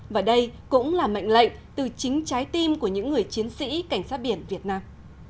và đây cũng là mệnh lệnh từ chính trái tim của những người chiến sĩ cảnh sát biển việt nam